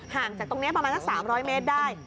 ห่างจากตรงนี้ประมาณสัก๓๐๐เมตรได้